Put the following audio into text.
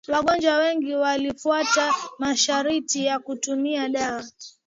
wagonjwa wengi walifuata masharti ya kutumia dawa